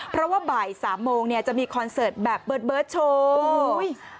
เพราะว่าบ่าย๓โมงจะมีคอนเซิร์ตแบบเบิร์ตเบิร์ทโชว์